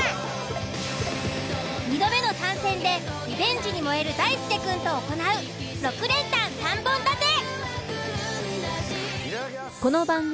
２度目の参戦でリベンジに燃える大輔くんと行う６連単３本立て。